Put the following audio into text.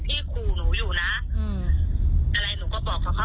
ที่ถึงโรงเลียแล้วพูดแบบนี้